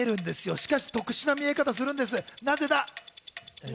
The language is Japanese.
しかし特殊なメイクをするんです。